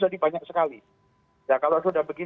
kalau kita mengikuti pernyataan dari menteri perdagangan